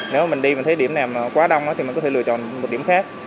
nếu mà mình đi mình thấy điểm nào quá đông thì mình có thể lựa chọn một điểm khác